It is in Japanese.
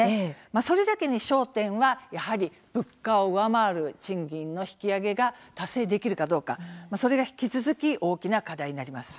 それだけに焦点はやはり物価を上回る賃金の引き上げが達成できるかどうかそれが引き続き大きな課題になります。